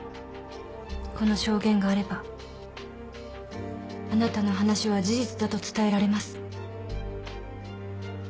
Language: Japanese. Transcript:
この証言があればあなたの話は事実だと伝えられます。